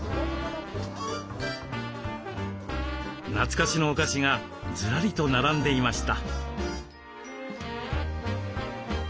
懐かしのお菓子がずらりと並んでいました。